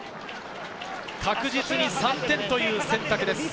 確実に３点という選択です。